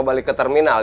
balik ke terminal